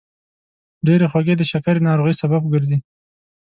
ډېرې خوږې د شکرې ناروغۍ سبب ګرځي.